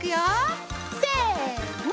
せの！